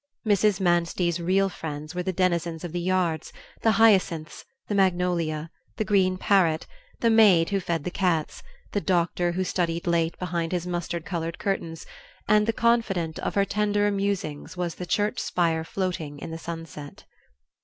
Mrs. Manstey's real friends were the denizens of the yards, the hyacinths, the magnolia, the green parrot, the maid who fed the cats, the doctor who studied late behind his mustard colored curtains; and the confidant of her tenderer musings was the church spire floating in the sunset.